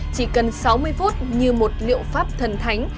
chỉ cần sáu mươi phút như một liệu pháp thần thánh